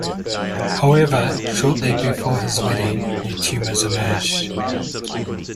However, shortly before his wedding, new tumors emerged.